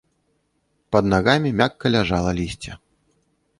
Пад нагамі мякка ляжала лісце.